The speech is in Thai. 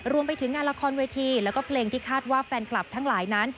รวมไปถึงงานละครเวทีแล้วก็เพลงที่คาดว่าแฟนคลับทั้งหลายนั้น